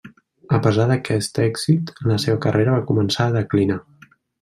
A pesar d'aquest èxit, la seva carrera començava a declinar.